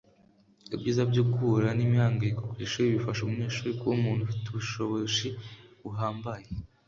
ibyiza byo guhura n imihanganyiko ku ishuri bifasha umunyeshuri kuba umuntu ufite ubushoboshi buhambaye